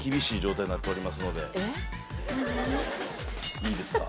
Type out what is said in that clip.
いいですか？